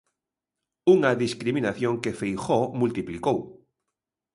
Unha discriminación que Feijóo multiplicou.